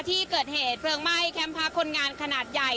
ที่เกิดเหตุเพลิงไหม้แคมป์พักคนงานขนาดใหญ่